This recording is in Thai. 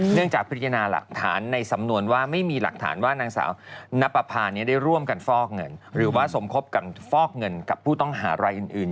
เนื่องจากพิจารณาหลักฐานในสำนวนว่าไม่มีหลักฐานว่านางสาวนับประพาได้ร่วมกันฟอกเงินหรือว่าสมคบกับฟอกเงินกับผู้ต้องหารายอื่น